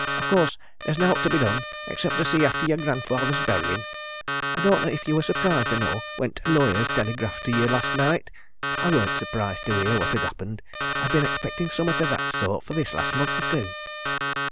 "Of course, there's naught to be done except to see after yer grandfather's burying. I don't know if ye were surprised or no when t' lawyers tellygraphed to yer last night? I weren't surprised to hear what had happened. I'd been expecting summat o' that sort this last month or two."